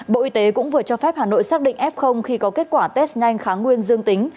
bộ y tế cũng vừa cho phép hà nội xác định f khi có kết quả test nhanh kháng nguyên dương tính